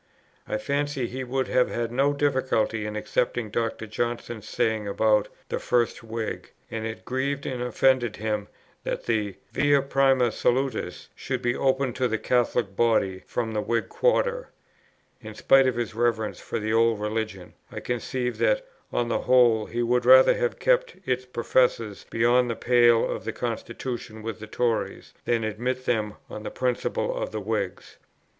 I fancy he would have had no difficulty in accepting Dr. Johnson's saying about "the first Whig;" and it grieved and offended him that the "Via prima salutis" should be opened to the Catholic body from the Whig quarter. In spite of his reverence for the Old Religion, I conceive that on the whole he would rather have kept its professors beyond the pale of the Constitution with the Tories, than admit them on the principles of the Whigs.